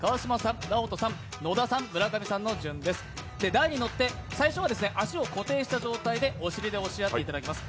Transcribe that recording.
台に乗って、最初は足を固定した状態で押し合っていただきます。